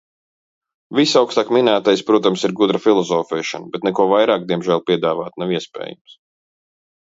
Viss augstāk minētais, protams, ir gudra filozofēšana, bet neko vairāk, diemžēl piedāvāt nav iespējams.